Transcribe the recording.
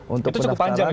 itu cukup panjang itu bang